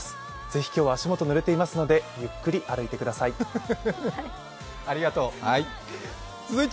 ぜひ今日は足元、ぬれていますのでゆっくり歩いてください。